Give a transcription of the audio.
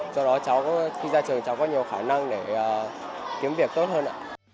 do đó cháu khi ra trường cháu có nhiều khả năng để kiếm việc tốt hơn ạ